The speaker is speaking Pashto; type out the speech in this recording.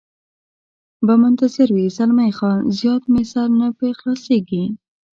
به منتظر وي، زلمی خان: زیات مې سر نه په خلاصېږي.